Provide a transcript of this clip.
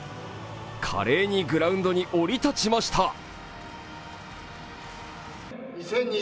華麗にグラウンドに降り立ちました。